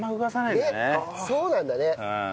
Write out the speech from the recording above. ねっそうなんだね。